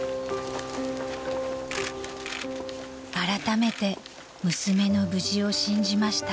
［あらためて娘の無事を信じました］